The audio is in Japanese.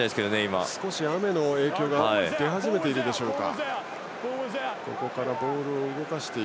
少し雨の影響が出始めているでしょうか。